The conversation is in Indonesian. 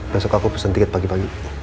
besok aku pesen tiket pagi pagi